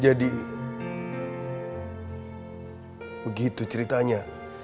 jadi begitu ceritanya